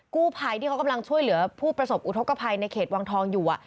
กู้ภัยที่เขากำลังช่วยเหลือผู้ประสบอุทธกภัยในเขตวังทองอยู่